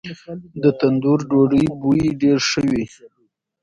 د تندور ډوډۍ بوی ډیر ښه وي.